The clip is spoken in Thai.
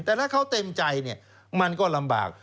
แต่ถ้าเขาเต็มใจมันก็ลำบาก